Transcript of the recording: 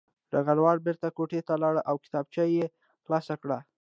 ډګروال بېرته کوټې ته لاړ او کتابچه یې خلاصه کړه